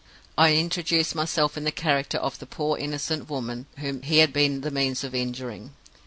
I introduced myself in the character of the poor innocent woman whom he had been the means of injuring.